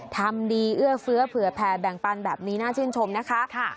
ทำดีเอื้อเฟื้อเผื่อแผ่แบ่งปันแบบนี้น่าชื่นชมนะคะ